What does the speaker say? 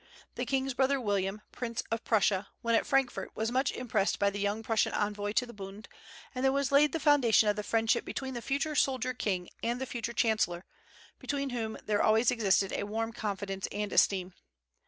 The king's brother William, Prince of Prussia, when at Frankfort, was much impressed by the young Prussian envoy to the Bund, and there was laid the foundation of the friendship between the future soldier king and the future chancellor, between whom there always existed a warm confidence and esteem.